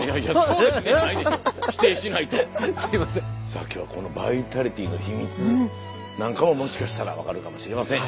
さあ今日はこのバイタリティーの秘密なんかをもしかしたら分かるかもしれません。